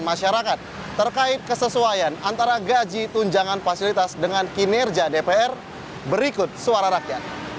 masyarakat terkait kesesuaian antara gaji tunjangan fasilitas dengan kinerja dpr berikut suara rakyat